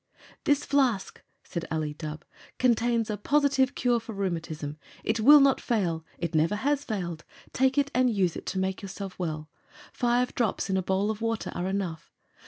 "This flask," said Ali Dubh, "contains a positive cure for rheumatism. It will not fail. It never has failed. Take it and use it to make yourself well. Five drops in a bowl of water are enough.